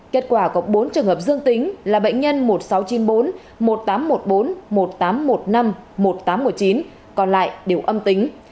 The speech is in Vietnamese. kết quả có bốn trường hợp dương tính là bệnh nhân một nghìn sáu trăm chín mươi bốn một nghìn tám trăm một mươi bốn một nghìn tám trăm một mươi năm một nghìn tám trăm một mươi chín còn lại đều âm tính